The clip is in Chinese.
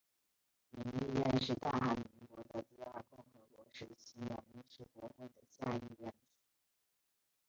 民议院是大韩民国的第二共和国实行两院制国会的下议院。